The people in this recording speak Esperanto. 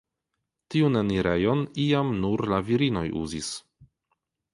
Tiun enirejon iam nur la virinoj uzis.